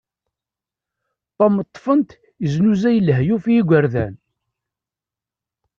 Tom ṭṭfen-t yeznuzay lehyuf i igerdan.